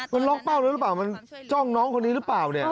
มันล็อกเป้าไว้หรือเปล่ามันจ้องน้องคนนี้หรือเปล่าเนี่ย